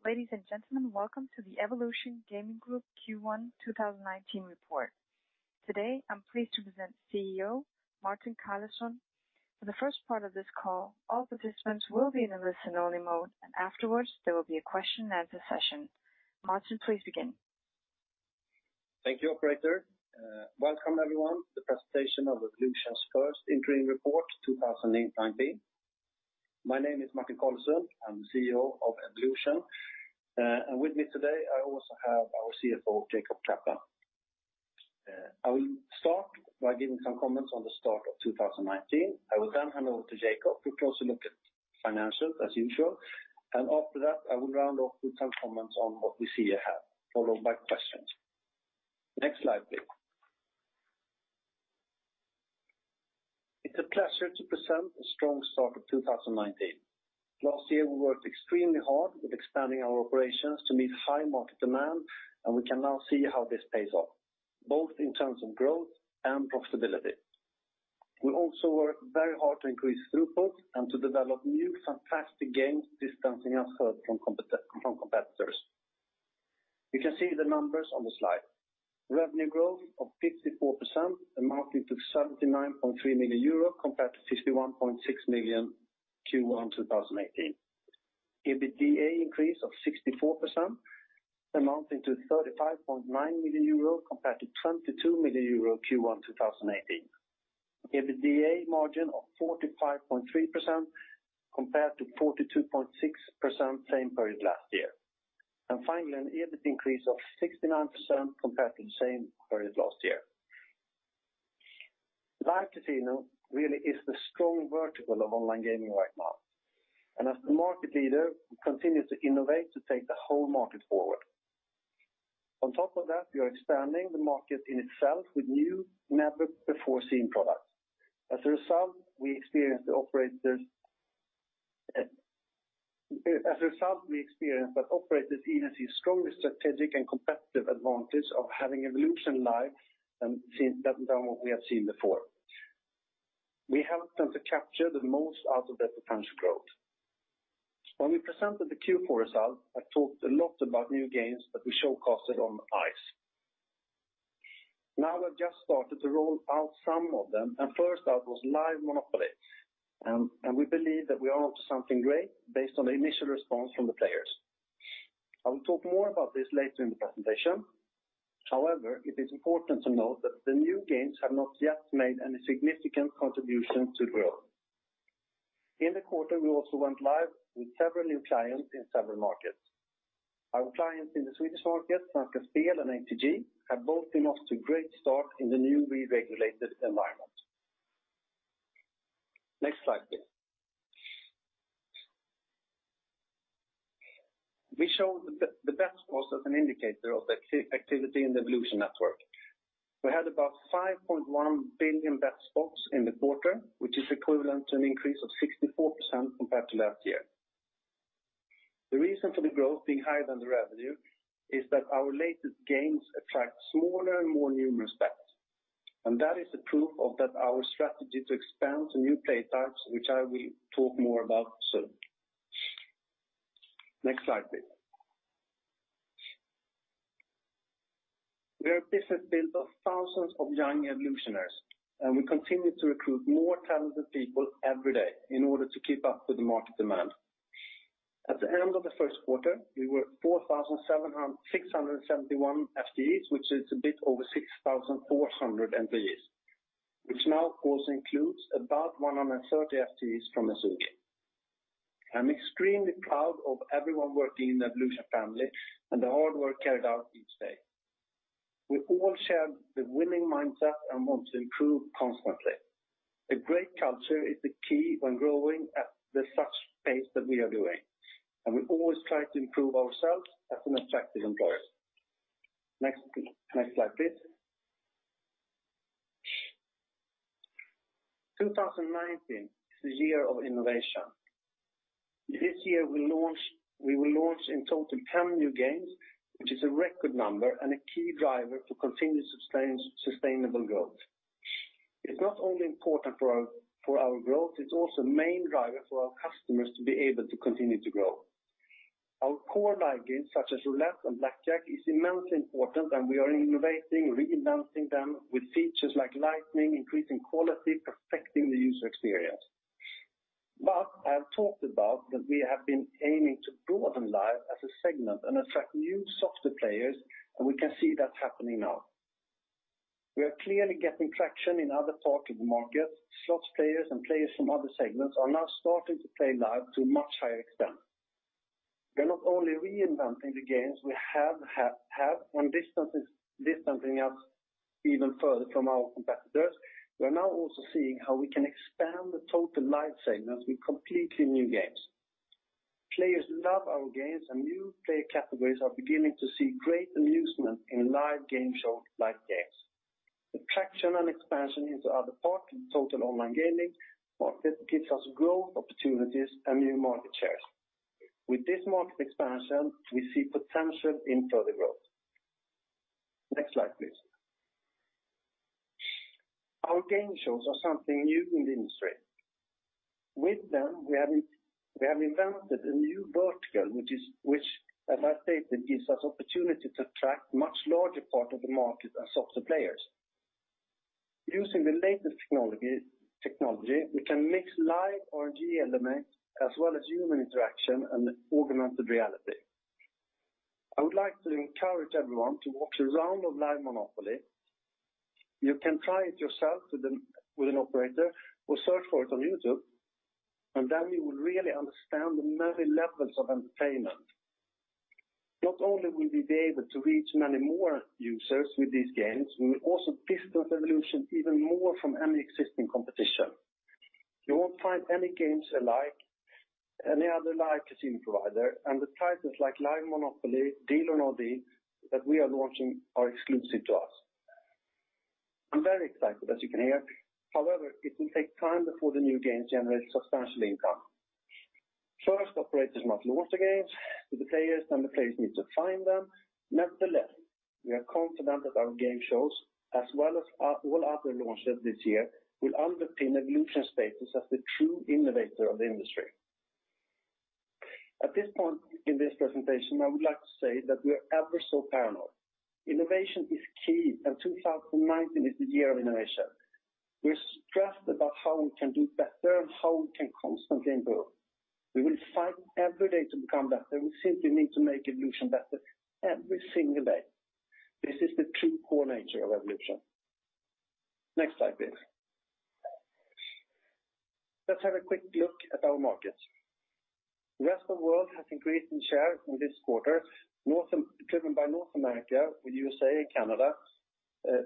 Ladies and gentlemen, welcome to the Evolution Gaming Group Q1 2019 report. Today, I'm pleased to present CEO Martin Carlesund. For the first part of this call, all participants will be in a listen-only mode. Afterwards, there will be a question and answer session. Martin, please begin. Thank you, operator. Welcome everyone, to the presentation of Evolution's first interim report 2019. My name is Martin Carlesund. I'm the CEO of Evolution. With me today, I also have our CFO, Jacob Kaplan. I will start by giving some comments on the start of 2019. I will hand over to Jacob, who closely look at financials as usual. After that, I will round off with some comments on what we see ahead, followed by questions. Next slide, please. It's a pleasure to present a strong start of 2019. Last year, we worked extremely hard with expanding our operations to meet high market demand, and we can now see how this pays off, both in terms of growth and profitability. We also work very hard to increase throughput and to develop new fantastic games, distancing us further from competitors. You can see the numbers on the slide. Revenue growth of 54%, amounting to 79.3 million euro compared to 61.6 million Q1 2018. EBITDA increase of 64%, amounting to 35.9 million euros compared to 22 million euros Q1 2018. EBITDA margin of 45.3% compared to 42.6% same period last year. Finally, an EBIT increase of 69% compared to the same period last year. Live Casino really is the strong vertical of online gaming right now. As the market leader, we continue to innovate to take the whole market forward. On top of that, we are expanding the market in itself with new never-before-seen products. As a result, we experience that operators even see stronger strategic and competitive advantage of having Evolution Live than what we have seen before. We help them to capture the most out of that potential growth. When we presented the Q4 results, I talked a lot about new games that we show-casted on ICE. Now we've just started to roll out some of them. First out was Live MONOPOLY. We believe that we are onto something great based on the initial response from the players. I will talk more about this later in the presentation. However, it is important to note that the new games have not yet made any significant contribution to growth. In the quarter, we also went live with several new clients in several markets. Our clients in the Swedish market, Frank & Fred and ATG, have both been off to great start in the new re-regulated environment. Next slide, please. We show the bet spots as an indicator of the activity in the Evolution network. We had about 5.1 billion bet spots in the quarter, which is equivalent to an increase of 64% compared to last year. The reason for the growth being higher than the revenue is that our latest games attract smaller and more numerous bets. That is the proof of that our strategy to expand to new play types, which I will talk more about soon. Next slide, please. We are a business built of thousands of young Evolutioners, and we continue to recruit more talented people every day in order to keep up with the market demand. At the end of the first quarter, we were 4,671 FTEs, which is a bit over 6,400 employees, which now also includes about 130 FTEs from Ezugi. I'm extremely proud of everyone working in the Evolution family and the hard work carried out each day. We all share the winning mindset and want to improve constantly. A great culture is the key when growing at the such pace that we are doing. We always try to improve ourselves as an attractive employer. Next slide, please. 2019 is the year of innovation. This year, we will launch in total 10 new games, which is a record number and a key driver to continue sustainable growth. It's not only important for our growth, it's also main driver for our customers to be able to continue to grow. Our core Live games such as Roulette and Blackjack is immensely important, and we are innovating, reinventing them with features like Lightning, increasing quality, perfecting the user experience. I have talked about that we have been aiming to broaden Live as a segment and attract new softer players, and we can see that happening now. We are clearly getting traction in other parts of the market. Slots players and players from other segments are now starting to play Live to a much higher extent. We're not only reinventing the games we have and distancing us even further from our competitors. We're now also seeing how we can expand the total Live segments with completely new games. Players love our games, and new player categories are beginning to see great amusement in live game show-like games. The traction and expansion into other parts in total online gaming market gives us growth opportunities and new market shares. With this market expansion, we see potential in further growth. Next slide, please. Our game shows are something new in the industry. With them, we have invented a new vertical, which, as I stated, gives us opportunity to attract much larger part of the market as softer players. Using the latest technology, we can mix live RNG elements as well as human interaction and augmented reality. I would like to encourage everyone to watch a round of Live Monopoly. You can try it yourself with an operator or search for it on YouTube, then you will really understand the many levels of entertainment. Not only will we be able to reach many more users with these games, we will also distance Evolution even more from any existing competition. You won't find any games alike, any other Live Casino provider, and the titles like Live Monopoly, Deal or No Deal that we are launching are exclusive to us. I'm very excited, as you can hear. However, it will take time before the new games generate substantial income. First, operators must launch the games to the players, then the players need to find them. Nevertheless, we are confident that our game shows, as well as all other launches this year, will underpin Evolution's status as the true innovator of the industry. At this point in this presentation, I would like to say that we are ever so paranoid. Innovation is key, 2019 is the year of innovation. We're stressed about how we can do better and how we can constantly improve. We will fight every day to become better. We simply need to make Evolution better every single day. This is the true core nature of Evolution. Next slide, please. Let's have a quick look at our markets. The rest of world has increased in share in this quarter, driven by North America with USA and Canada.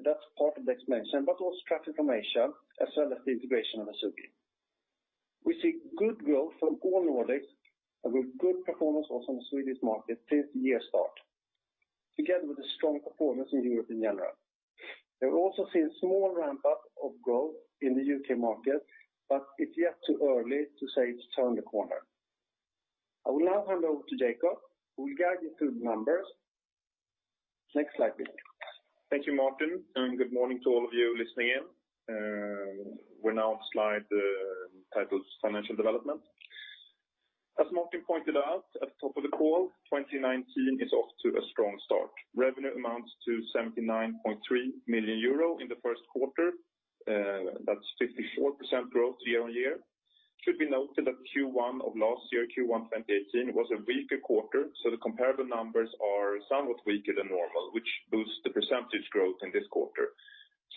That's part of the explanation, but also traffic from Asia, as well as the integration of Ezugi. We see good growth from all Nordics and with good performance also on the Swedish market since year start, together with the strong performance in Europe in general. There also seems small ramp up of growth in the U.K. market, but it's yet too early to say it's turned the corner. I will now hand over to Jacob, who will guide you through the numbers. Next slide, please. Thank you, Martin, good morning to all of you listening in. We're now on slide titled Financial Development. As Martin pointed out at the top of the call, 2019 is off to a strong start. Revenue amounts to 79.3 million euro in the first quarter. That's 54% growth year-on-year. Should be noted that Q1 of last year, Q1 2018, was a weaker quarter, the comparable numbers are somewhat weaker than normal, which boosts the percentage growth in this quarter.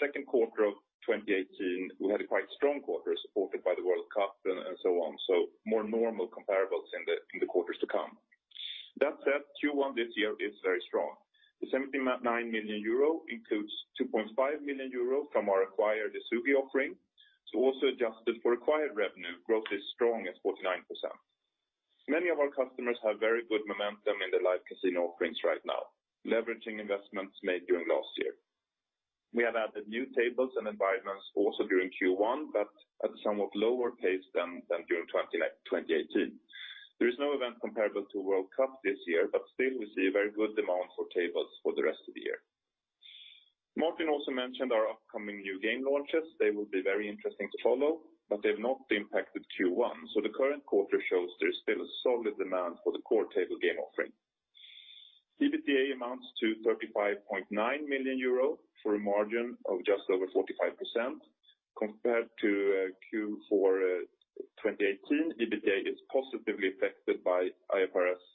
Second quarter of 2018, we had a quite strong quarter supported by the World Cup and so on. More normal comparables in the quarters to come. That said, Q1 this year is very strong. The 79 million euro includes 2.5 million euro from our acquired Ezugi offering. Also adjusted for acquired revenue, growth is strong at 49%. Many of our customers have very good momentum in their Live Casino offerings right now, leveraging investments made during last year. We have added new tables and environments also during Q1, but at a somewhat lower pace than during 2018. There is no event comparable to World Cup this year, but still we see a very good demand for tables for the rest of the year. Martin also mentioned our upcoming new game launches. They will be very interesting to follow, but they've not impacted Q1. The current quarter shows there's still a solid demand for the core table game offering. EBITDA amounts to 35.9 million euro for a margin of just over 45%. Compared to Q4 2018, EBITDA is positively affected by IFRS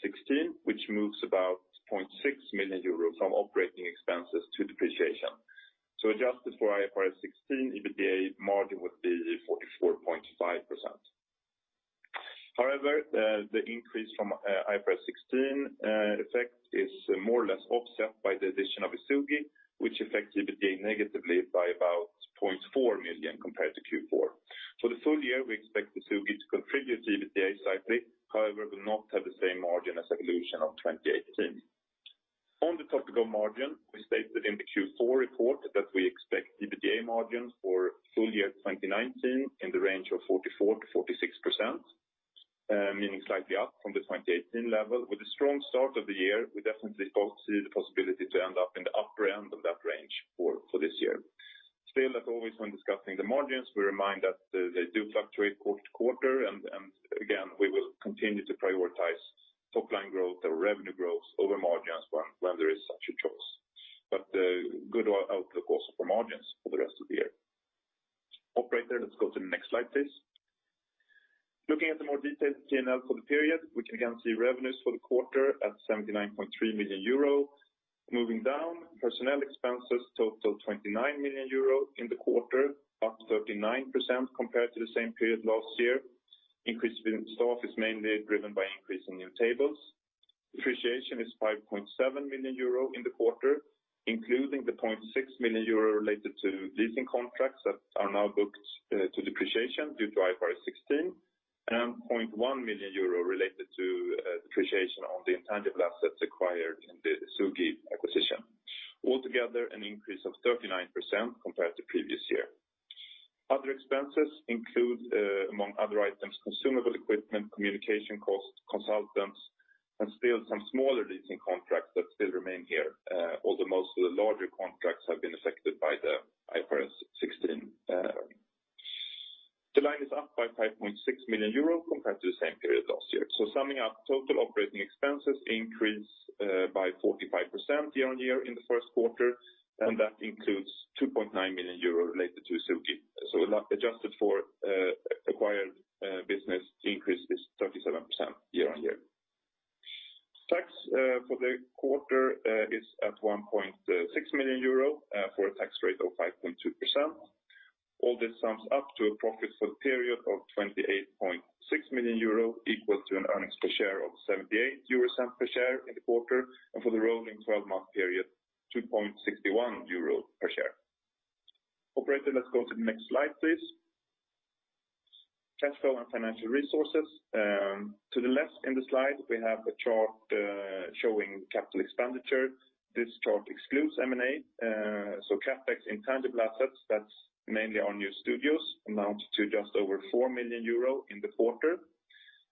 16, which moves about 0.6 million euros from operating expenses to depreciation. Adjusted for IFRS 16, EBITDA margin would be 44.5%. The increase from IFRS 16 effect is more or less offset by the addition of Ezugi, which affects EBITDA negatively by about 0.4 million compared to Q4. For the full year, we expect Ezugi to contribute to EBITDA slightly, will not have the same margin as Evolution of 2018. On the top-line margin, we stated in the Q4 report that we expect EBITDA margin for full year 2019 in the range of 44%-46%, meaning slightly up from the 2018 level. With the strong start of the year, we definitely spoke to the possibility to end up in the upper end of that range for this year. As always, when discussing the margins, we remind that they do fluctuate quarter-to-quarter, and again, we will continue to prioritize top-line growth or revenue growth over margins when there is such a choice. Good outlook also for margins for the rest of the year. Operator, let's go to the next slide, please. Looking at the more detailed P&L for the period, we can again see revenues for the quarter at 79.3 million euro. Moving down, personnel expenses total 29 million euro in the quarter, up 39% compared to the same period last year. Increase in staff is mainly driven by increase in new tables. Depreciation is 5.7 million euro in the quarter, including the 0.6 million euro related to leasing contracts that are now booked to depreciation due to IFRS 16, and 0.1 million euro related to depreciation on the intangible assets acquired in the Ezugi acquisition. Altogether, an increase of 39% compared to previous year. Other expenses include, among other items, consumable equipment, communication cost, consultants, and still some smaller leasing contracts that still remain here. Although most of the larger contracts have been affected by the IFRS 16. The line is up by 5.6 million euro compared to the same period last year. Summing up, total operating expenses increased by 45% year-on-year in the first quarter, and that includes 2.9 million euro related to Ezugi. Adjusted for acquired business increase is 37% year-on-year. Tax for the quarter is at 1.6 million euro for a tax rate of 5.2%. All this sums up to a profit for the period of 28.6 million euro, equal to an earnings per share of 0.78 per share in the quarter, and for the rolling 12-month period, 2.61 euro per share. Operator, let's go to the next slide, please. Cash flow and financial resources. To the left in the slide, we have a chart showing capital expenditure. This chart excludes M&A, CapEx in tangible assets, that's mainly our new studios, amount to just over 4 million euro in the quarter.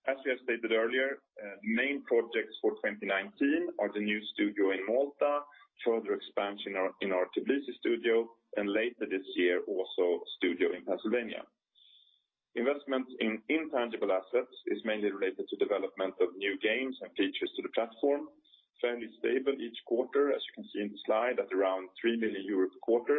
As we have stated earlier, main projects for 2019 are the new studio in Malta, further expansion in our Tbilisi studio, and later this year, also a studio in Pennsylvania. Investments in intangible assets is mainly related to development of new games and features to the platform. Fairly stable each quarter, as you can see in the slide, at around 3 million euros a quarter.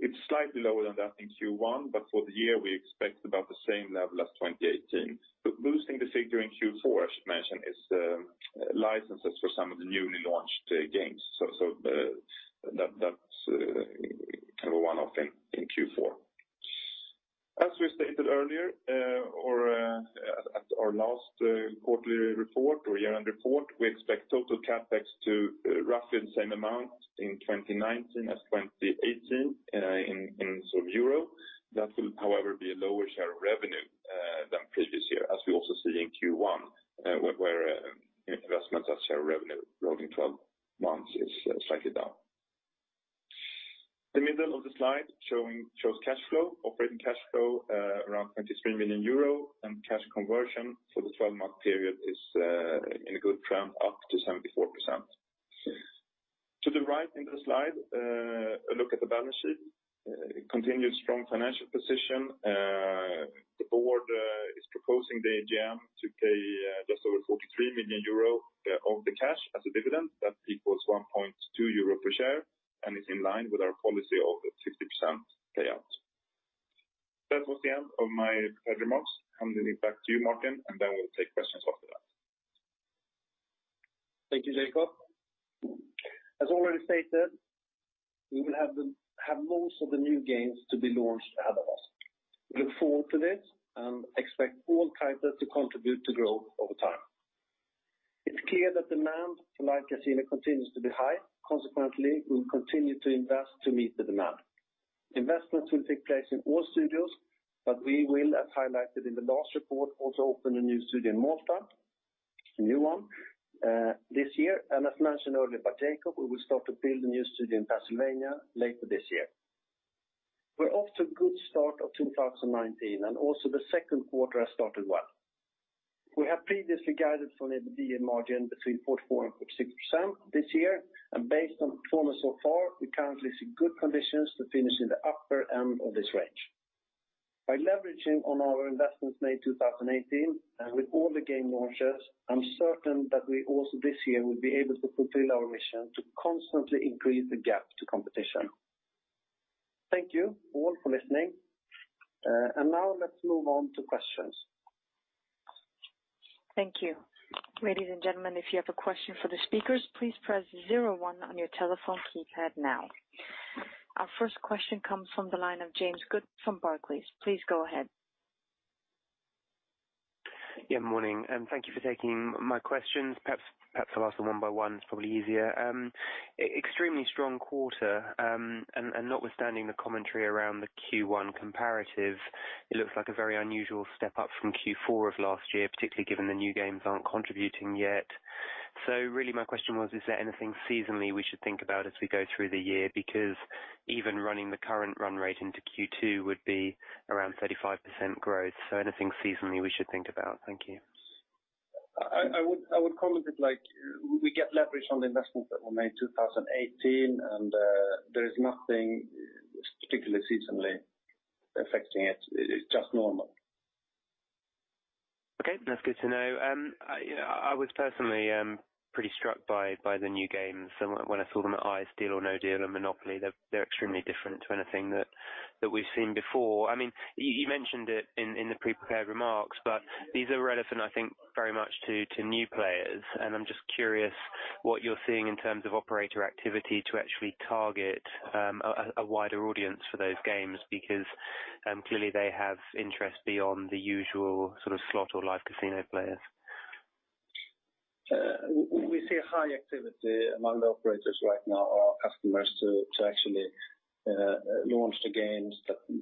It's slightly lower than that in Q1, but for the year, we expect about the same level as 2018. Boosting the figure in Q4, I should mention, is licenses for some of the newly launched games. That's kind of a one-off thing in Q4. As we stated earlier, at our last quarterly report or year-end report, we expect total CapEx to roughly the same amount in 2019 as 2018 in sort of EUR. That will, however, be a lower share of revenue than previous year, as we also see in Q1, where investments as a share of revenue rolling 12 months is slightly down. The middle of the slide shows cash flow. Operating cash flow around 23 million euro, and cash conversion for the 12-month period is in a good trend, up to 74%. To the right in the slide, a look at the balance sheet. Continued strong financial position. The board is proposing the AGM to pay just over 43 million euro of the cash as a dividend. That equals 1.2 euro per share, and is in line with our policy of the 60% payout. That was the end of my prepared remarks. Handing it back to you, Martin, then we'll take questions after that. Thank you, Jacob. As already stated, we will have most of the new games to be launched ahead of us. We look forward to this and expect all titles to contribute to growth over time. It's clear that demand for Live Casino continues to be high. Consequently, we'll continue to invest to meet the demand. Investments will take place in all studios, but we will, as highlighted in the last report, also open a new studio in Malta, a new one this year. As mentioned earlier by Jacob, we will start to build a new studio in Pennsylvania later this year. We're off to a good start of 2019, also the second quarter has started well. We have previously guided for an EBITDA margin between 44% and 46% this year, based on performance so far, we currently see good conditions to finish in the upper end of this range. By leveraging on our investments made 2018 and with all the game launches, I'm certain that we also this year will be able to fulfill our mission to constantly increase the gap to competition. Thank you all for listening. Now let's move on to questions. Thank you. Ladies and gentlemen, if you have a question for the speakers, please press zero one on your telephone keypad now. Our first question comes from the line of James Goodman from Barclays. Please go ahead. Yeah, morning. Thank you for taking my questions. Perhaps I'll ask them one by one. It's probably easier. Extremely strong quarter, and notwithstanding the commentary around the Q1 comparative, it looks like a very unusual step up from Q4 of last year, particularly given the new games aren't contributing yet. Really my question was, is there anything seasonally we should think about as we go through the year? Because even running the current run rate into Q2 would be around 35% growth. Anything seasonally we should think about? Thank you. I would comment it like we get leverage on the investments that were made 2018, and there is nothing particularly seasonally affecting it. It's just normal. Okay, that's good to know. I was personally pretty struck by the new games when I saw them at ICE, Deal or No Deal and MONOPOLY. They're extremely different to anything that we've seen before. You mentioned it in the pre-prepared remarks, but these are relevant, I think, very much to new players, and I'm just curious what you're seeing in terms of operator activity to actually target a wider audience for those games, because clearly they have interest beyond the usual sort of slot or Live Casino players. We see a high activity among the operators right now, our customers to actually launch the games,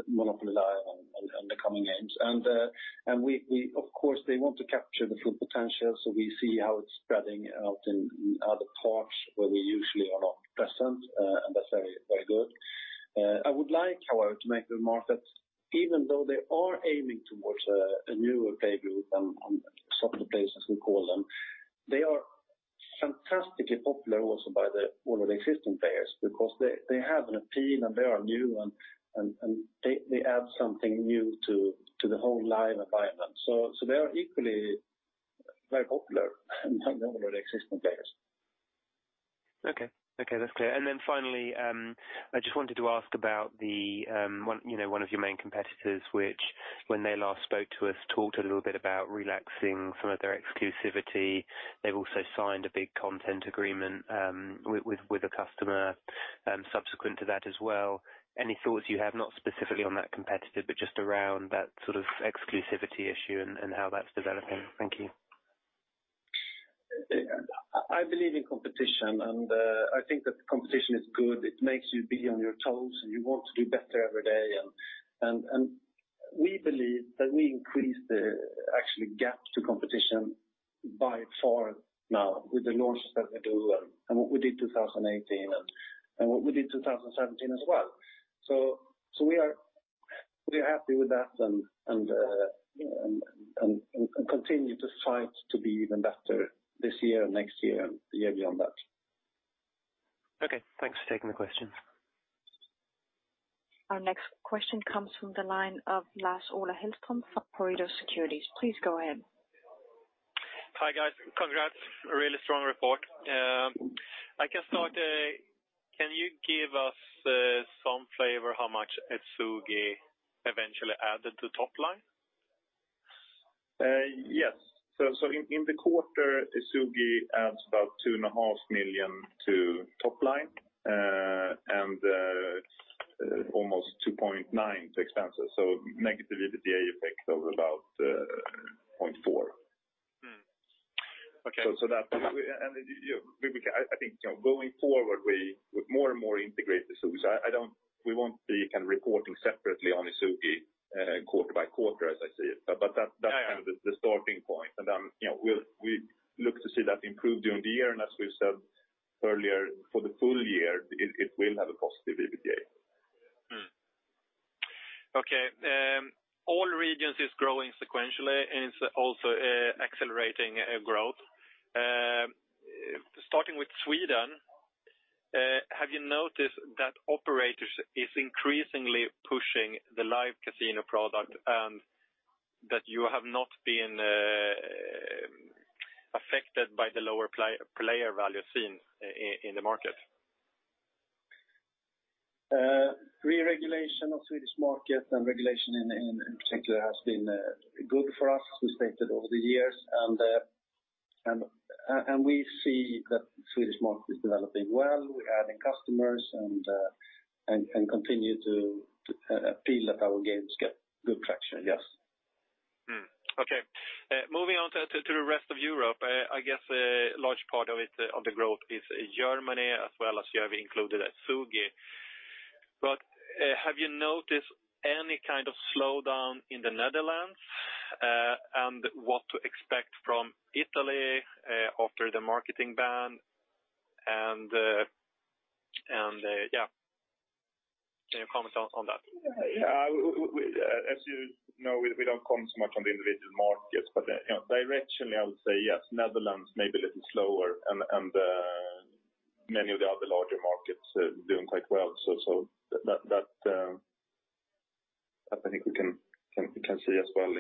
Monopoly Live and in the coming games. Of course, they want to capture the full potential, so we see how it's spreading out in other parts where we usually are not present, and that's very good. I would like, however, to make the remark that even though they are aiming towards a newer player group and on softer places, we call them, they are fantastically popular also by all of the existing players because they have an appeal, and they are new and they add something new to the whole live environment. They are equally very popular among the already existing players. Okay. That's clear. Finally, I just wanted to ask about one of your main competitors, which when they last spoke to us, talked a little bit about relaxing some of their exclusivity. They've also signed a big content agreement with a customer subsequent to that as well. Any thoughts you have, not specifically on that competitor, but just around that sort of exclusivity issue and how that's developing? Thank you. I believe in competition, and I think that competition is good. It makes you be on your toes, and you want to do better every day. We believe that we increased the actual gap to competition by far now with the launches that we do and what we did 2018, and what we did 2017 as well. We are happy with that and continue to fight to be even better this year and next year and the year beyond that. Okay, thanks for taking the question. Our next question comes from the line of Lars-Ola Hellström from Pareto Securities. Please go ahead. Hi, guys. Congrats. A really strong report. I can start. Can you give us some flavor how much Ezugi eventually added to top line? Yes. In the quarter, Ezugi adds about 2.5 million to top line, and almost 2.9 to expenses, negative EBITDA effect of about 0.4. Okay. I think going forward, we would more and more integrate Ezugi. We won't be kind of reporting separately on Ezugi quarter by quarter as I see it. That's kind of the starting point, then we look to see that improve during the year. As we've said earlier, for the full year, it will have a positive EBITDA. Okay. All regions is growing sequentially and is also accelerating growth. Starting with Sweden, have you noticed that operators is increasingly pushing the Live Casino product, and that you have not been affected by the lower player value seen in the market? Reregulation of Swedish market and regulation in particular has been good for us. We stated over the years, and we see that Swedish market is developing well. We're adding customers and continue to feel that our games get good traction, yes. Okay. Moving on to the rest of Europe, I guess a large part of the growth is Germany as well as you have included Ezugi. Have you noticed any kind of slowdown in the Netherlands? What to expect from Italy after the marketing ban? Yeah, can you comment on that? Yeah. As you know, we don't comment so much on the individual markets. Directionally, I would say yes, Netherlands may be a little slower and many of the other larger markets are doing quite well. That, I think we can see as well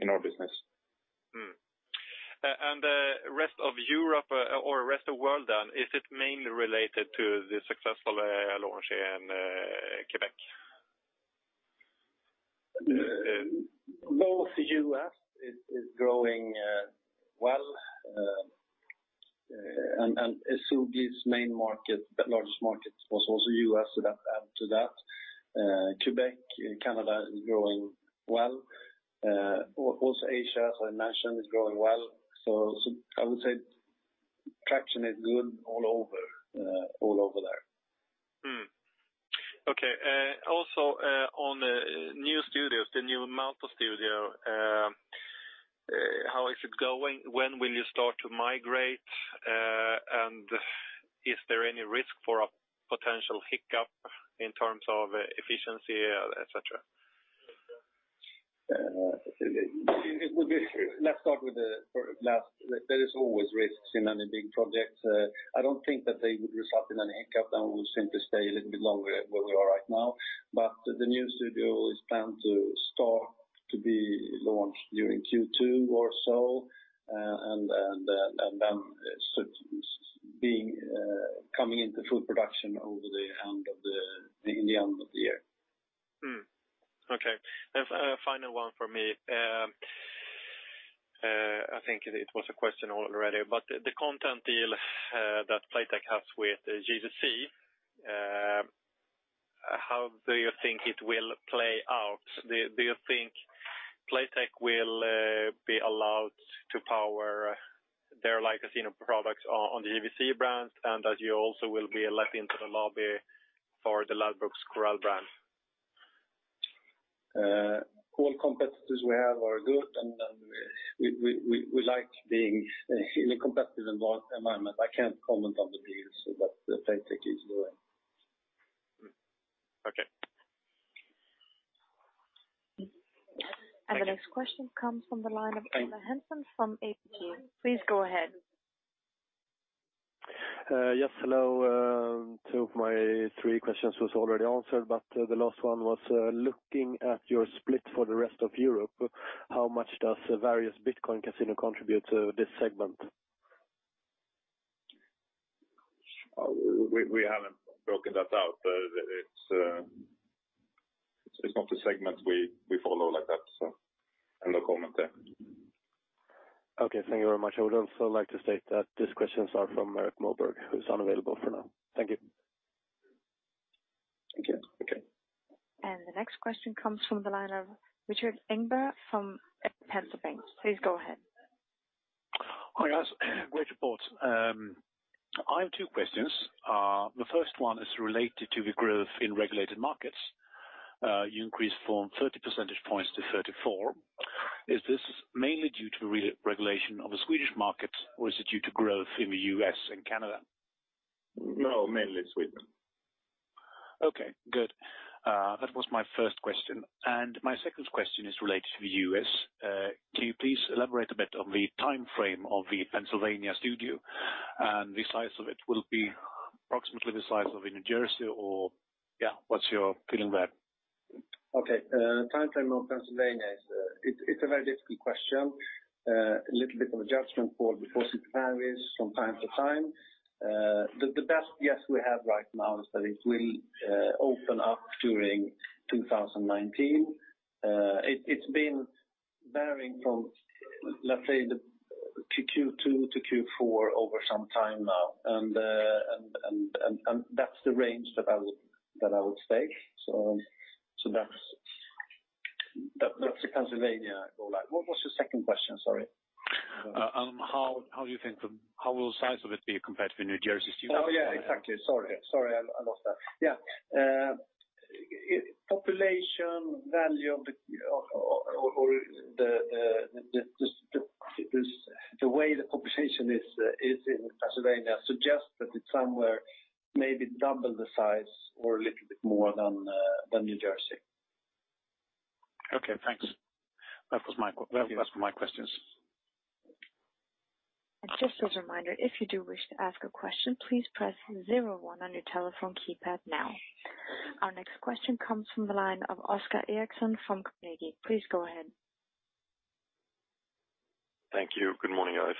in our business. The rest of Europe or rest of world, is it mainly related to the successful launch in Quebec? Both U.S. is growing well, and Ezugi's main market, the largest market was also U.S., so that add to that. Quebec in Canada is growing well. Asia, as I mentioned, is growing well. I would say traction is good all over there. Okay. On new studios, the new Malta studio, how is it going? When will you start to migrate? Is there any risk for a potential hiccup in terms of efficiency, et cetera? Let's start with the last. There is always risks in any big projects. I don't think that they would result in any hiccup. They will simply stay a little bit longer where we are right now. The new studio is planned to start to be launched during Q2 or so. Coming into full production over the end of the year. Okay. Final one from me. I think it was a question already. The content deal that Playtech has with GVC, how do you think it will play out? Do you think Playtech will be allowed to power their Live Casino products on the GVC brands? You also will be let into the lobby for the Ladbrokes Coral brand. All competitors we have are good, and we like being in a competitive environment. I can't comment on the deals that Playtech is doing. Okay. The next question comes from the line of Eva Hansen from ABG. Please go ahead. Yes, hello. Two of my three questions was already answered. The last one was, looking at your split for the rest of Europe, how much does various Bitcoin casino contribute to this segment? We haven't broken that out. It's not a segment we follow like that, so no comment there. Okay, thank you very much. I would also like to state that these questions are from Erik Moberg, who's unavailable for now. Thank you. Okay. The next question comes from the line of Richard Ingber from Danske Bank. Please go ahead. Hi, guys. Great report. I have two questions. The first one is related to the growth in regulated markets. You increased from 30 percentage points to 34. Is this mainly due to regulation of the Swedish market, or is it due to growth in the U.S. and Canada? No, mainly Sweden. Okay, good. That was my first question. My second question is related to the U.S. Can you please elaborate a bit on the timeframe of the Pennsylvania studio, and the size of it? Will it be approximately the size of the New Jersey or yeah, what's your feeling there? Okay. Timeframe of Pennsylvania. It's a very difficult question. A little bit of a judgment call because it varies from time to time. The best guess we have right now is that it will open up during 2019. It's been varying from, let's say, the Q2 to Q4 over some time now, That's the range that I would take. That's the Pennsylvania rollout. What was your second question? Sorry. How will the size of it be compared to the New Jersey studio? Oh, yeah, exactly. Sorry, I lost that. Yeah. Population value or the way the population is in Pennsylvania suggests that it's somewhere maybe double the size or a little bit more than New Jersey. Okay, thanks. That will be the last for my questions. Just as a reminder, if you do wish to ask a question, please press 01 on your telephone keypad now. Our next question comes from the line of Oscar Rönnkvist from Carnegie. Please go ahead. Thank you. Good morning, guys.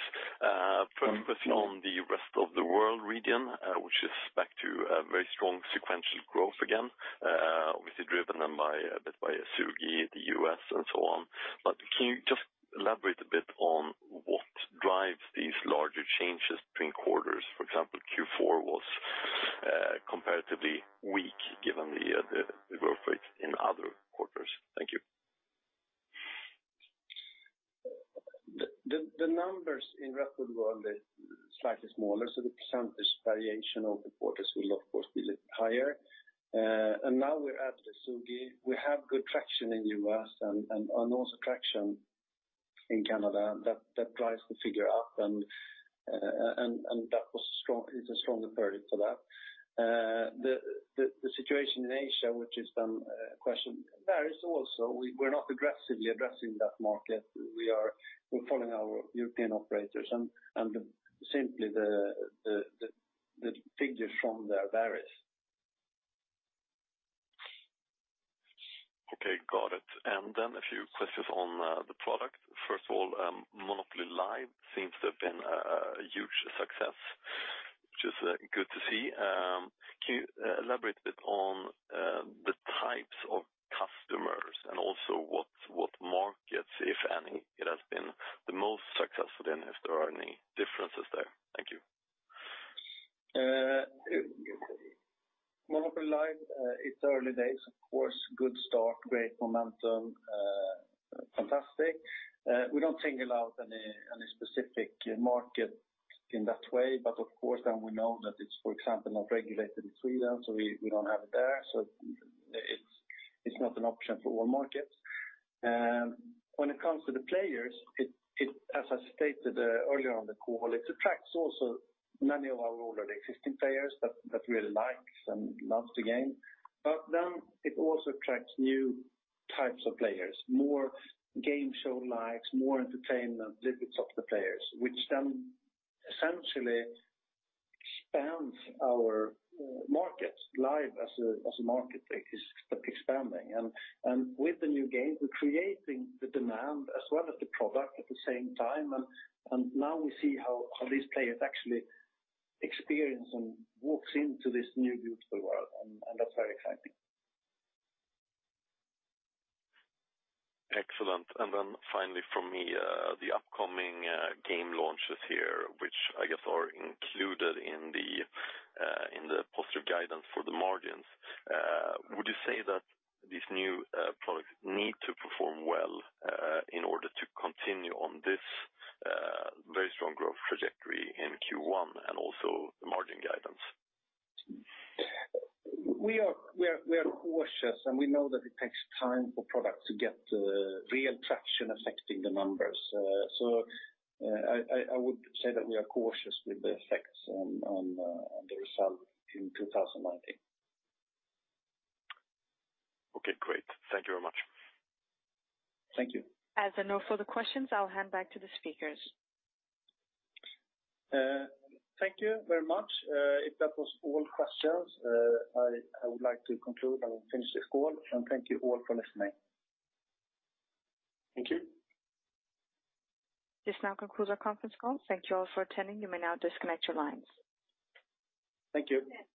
First question on the rest of the world region, which is back to very strong sequential growth again, obviously driven by a bit by Ezugi, the U.S. and so on. Can you just elaborate a bit on what drives these larger changes between quarters? For example, Q4 was comparatively weak given the growth rate in other quarters. Thank you. The numbers in rest of world is slightly smaller, so the percentage variation of the quarters will of course be a little higher. Now we're at Ezugi. We have good traction in U.S. and also traction in Canada that drives the figure up, and that is a stronger third for that. The situation in Asia, which is then questioned, varies also. We're not aggressively addressing that market. We're following our European operators, simply the figures from there varies. Okay, got it. Then a few questions on the product. First of all, MONOPOLY Live seems to have been a huge success, which is good to see. Can you elaborate a bit on the types of customers and also what markets, if any, it has been the most successful in, if there are any differences there? Thank you. MONOPOLY Live, it's early days, of course, good start, great momentum, fantastic. We don't single out any specific market in that way. Of course, then we know that it's, for example, not regulated in Sweden, so we don't have it there. It's not an option for all markets. When it comes to the players, as I stated earlier on the call, it attracts also many of our already existing players that really likes and loves the game. Then it also attracts new types of players, more game show likes, more entertainment, different types of players, which then essentially spans our market. Live as a market is expanding, with the new game, we're creating the demand as well as the product at the same time. Now we see how these players actually experience and walks into this new beautiful world, and that's very exciting. Excellent. Then finally from me, the upcoming game launches here, which I guess are included in the positive guidance for the margins. Would you say that these new products need to perform well in order to continue on this very strong growth trajectory in Q1 and also the margin guidance? We are cautious, we know that it takes time for products to get real traction affecting the numbers. I would say that we are cautious with the effects on the result in 2019. Okay, great. Thank you very much. Thank you. As there are no further questions, I'll hand back to the speakers. Thank you very much. If that was all questions, I would like to conclude and finish this call, and thank you all for listening. Thank you. This now concludes our conference call. Thank you all for attending. You may now disconnect your lines. Thank you. Yeah.